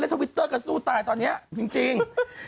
ทวิตเตอร์ก็สู้ตายตอนนี้จริง